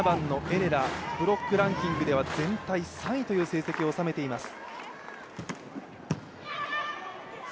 エレラ、ブロックランキングでは全体の３位という成績を収めています。